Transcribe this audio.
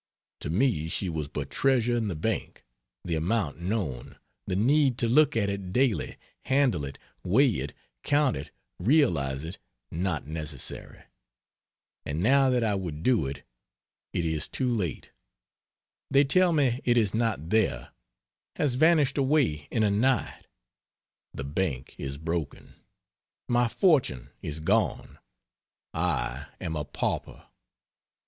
To me she was but treasure in the bank; the amount known, the need to look at it daily, handle it, weigh it, count it, realize it, not necessary; and now that I would do it, it is too late; they tell me it is not there, has vanished away in a night, the bank is broken, my fortune is gone, I am a pauper.